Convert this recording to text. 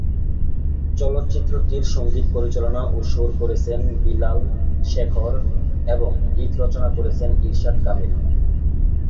চলচ্চিত্রটির সঙ্গীত পরিচালনা ও সুর করেছেন বিশাল-শেখর এবং গীত রচনা করেছেন ইরশাদ কামিল।